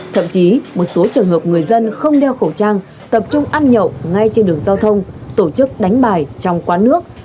thậm chí một số trường hợp người dân không đeo khẩu trang tập trung ăn nhậu ngay trên đường giao thông tổ chức đánh bài trong quán nước